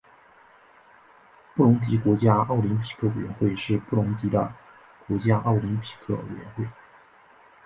布隆迪国家奥林匹克委员会是布隆迪的国家奥林匹克委员会。